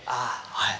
はい。